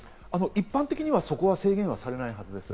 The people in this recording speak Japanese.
一般的にはそこは制限されないはずです。